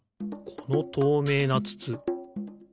このとうめいなつつ。